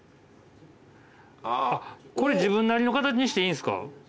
これ自分なりの形にしていいんすか？